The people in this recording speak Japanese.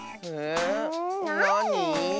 なに？